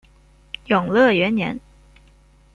永乐元年。